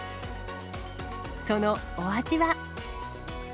そのお味は。